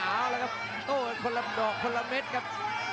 อ้าวแล้วครับโอ้ยคนละดอกคนละเม็ดครับ